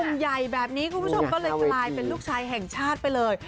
ใหญ่แบบนี้คุณผู้ชมก็เลยกลายเป็นลูกชายแห่งชาติไปเลย